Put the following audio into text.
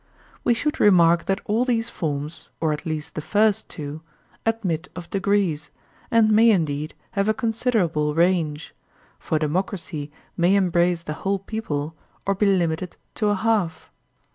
We should remark that all these forms, or at least the first two, admit of degrees, and may indeed have a con siderable range; for democracy may embrace the whole people, or be limited to a half.